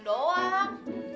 jangan belatin doang